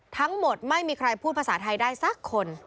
ทั้งหมดไม่มีใครพูดภาษาไทยได้สักคน